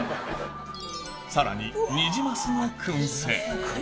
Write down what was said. さらにニジマスのくん製。